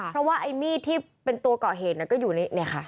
เพราะว่าไอ้มีดที่เป็นตัวเกาะเหตุก็อยู่นี่ค่ะ